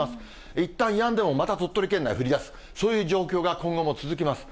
いったんやんでもまた鳥取県内降りだす、そういう状況が今後も続きます。